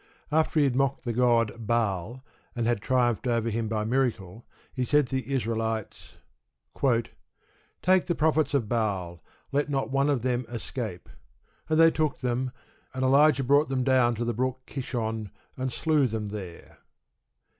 After he had mocked the god Baal, and had triumphed over him by miracle, he said to the Israelites: "Take the prophets of Baal. Let not one of them escape." And they took them, and Elijah brought them down to the brook Kishon, and slew them there.